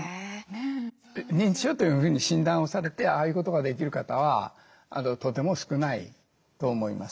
認知症というふうに診断をされてああいうことができる方はとても少ないと思います。